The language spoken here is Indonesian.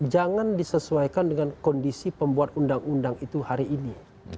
jangan disesuaikan dengan kondisi pembuat undang undang itu hari ini